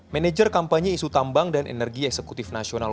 manager kampanye isu tambang dan energi eksekutif nasional